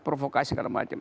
provokasi dan macam